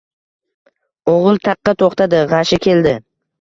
O’gil taqqa to’xtadi. G’ashi keldi.